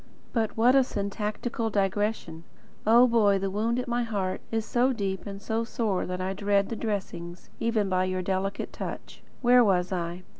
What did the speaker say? But what a syntactical digression! Oh, Boy, the wound at my heart is so deep and so sore that I dread the dressings, even by your delicate touch. Where was I?